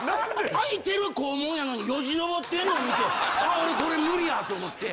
開いてる校門やのによじ登ってんのを見て「あ俺これ無理や」と思って。